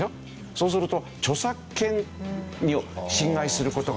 そうすると著作権を侵害する事があり得るわけですよね。